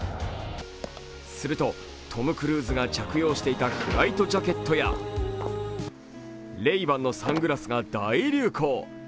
するとトム・クルーズが着用していたフライトジャケットやレイバンのサングラスが大流行。